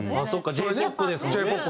Ｊ−ＰＯＰですもんね。